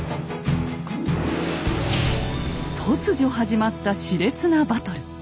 突如始まった熾烈なバトル。